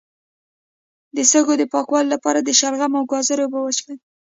د سږو د پاکوالي لپاره د شلغم او ګازرې اوبه وڅښئ